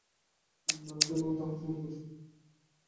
নাগা সাধুগণ তাঁহাকে সমর্থন করিতেছিলেন।